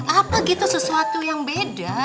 apa gitu sesuatu yang beda